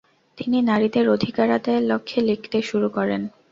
তিনি নারীদের অধিকার আদায়ের লক্ষ্যে লিখতে শুরু করেন।